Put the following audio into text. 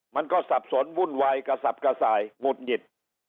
มันก็สับสนวุ่นวายกระสับกระส่ายหงุดหงิด